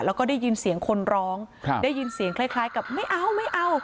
แล้วก็ได้ยินเสียงคนร้องได้ยินเสียงคล้ายคล้ายกับไม่เอาไม่เอา